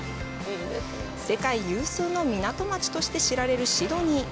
世界有数の港町として知られるシドニー。